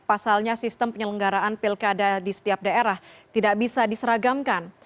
pasalnya sistem penyelenggaraan pilkada di setiap daerah tidak bisa diseragamkan